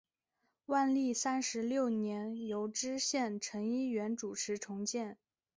万历三十六年由知县陈一元主持重建。